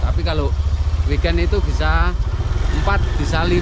tapi kalau weekend itu bisa empat bisa lima